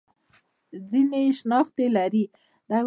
ځینې یې شنختې لري.